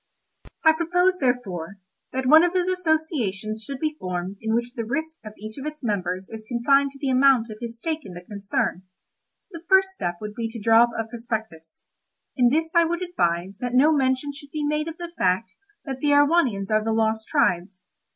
I propose, therefore, that one of those associations should be formed in which the risk of each of the members is confined to the amount of his stake in the concern. The first step would be to draw up a prospectus. In this I would advise that no mention should be made of the fact that the Erewhonians are the lost tribes.